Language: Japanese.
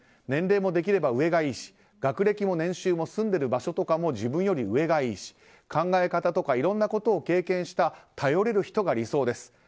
年齢もできれば上がいいし学歴も年収も住んでる場所とかも自分より上がいいし考え方とか、いろんなことを経験した頼れる人が理想です。